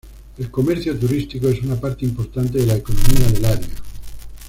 El comercio turístico es una parte importante de la economía del área.